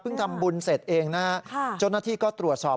เพิ่งทำบุญเสร็จเองจนที่ก็ตรวจสอบ